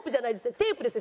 テープですね。